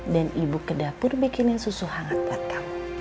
dan ibu ke dapur bikinin susu hangat buat kamu